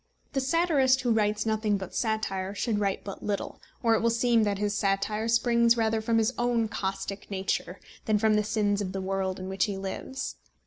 The satirist who writes nothing but satire should write but little, or it will seem that his satire springs rather from his own caustic nature than from the sins of the world in which he lives.